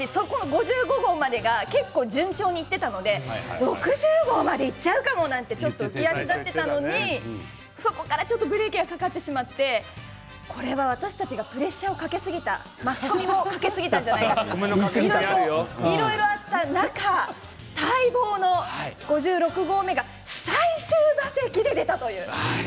５５号までが結構順調にいっていたので６０号までいっちゃうかもと浮き足だっていたのにそこからちょっとブレーキがかかってしまってこれは私たちがプレッシャーをかけすぎたマスコミもかけすぎたんじゃないかっていろいろあった中、待望の５６号目が最終打席で出たという。